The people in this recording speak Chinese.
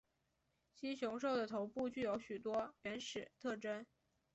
蜥熊兽的头部具有许多原始特征。